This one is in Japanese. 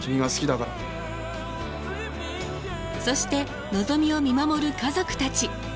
そしてのぞみを見守る家族たち。